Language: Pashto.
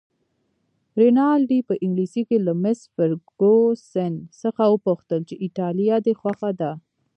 رینالډي په انګلیسي کې له مس فرګوسن څخه وپوښتل چې ایټالیه دې خوښه ده؟